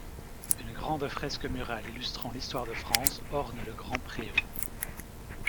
Une grande fresque murale illustrant l'histoire de France orne le grand préau.